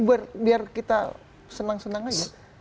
biar kita senang senang aja